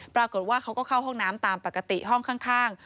ปรากฏว่าเขาก็เข้าห้องน้ำตามปกติห้องข้าง